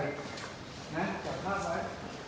จับภาพไว้